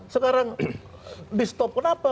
sekarang di stop kenapa